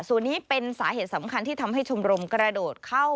ส่วนนี้เป็นสาเหตุสำคัญที่ทำให้ชมรมกระโดดเข้า